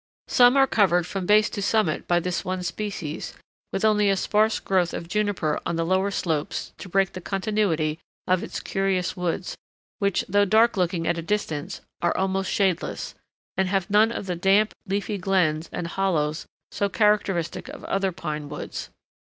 Some are covered from base to summit by this one species, with only a sparse growth of juniper on the lower slopes to break the continuity of its curious woods, which, though dark looking at a distance, are almost shadeless, and have none of the damp, leafy glens and hollows so characteristic of other pine woods.